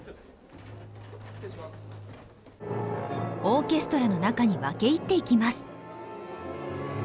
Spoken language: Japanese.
オーケストラの中に分け入っていきます。